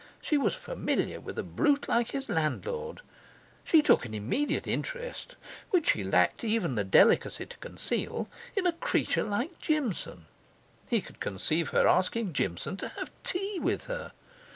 She was familiar with a brute like his landlord; she took an immediate interest (which she lacked even the delicacy to conceal) in a creature like Jimson! He could conceive her asking Jimson to have tea with her!